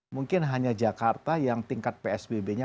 mungkin hanya jakarta yang tingkat psbb nya